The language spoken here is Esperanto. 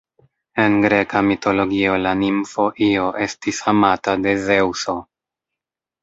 En greka mitologio, la nimfo Io estis amata de Zeŭso.